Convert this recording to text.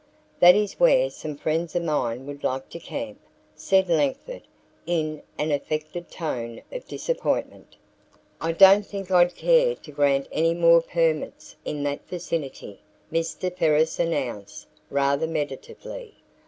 "That is where some friends of mine would like to camp," said Langford in an affected tone of disappointment. "I don't think I'd care to grant any more permits in that vicinity," Mr. Ferris announced rather meditatively.